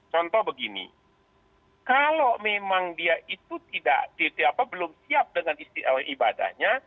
contoh begini kalau memang dia itu belum siap dengan istilah ibadahnya